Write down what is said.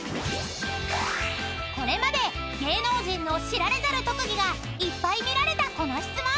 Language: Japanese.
［これまで芸能人の知られざる特技がいっぱい見られたこの質問］